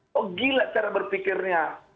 kok gila cara berpikirnya